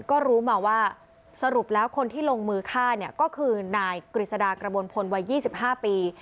ก็รู้มาว่าสรุปแล้วคนที่ลงมือฆ่าเนี่ยก็คือนายกฤษฎากระบวนพลวัย๒๕ปี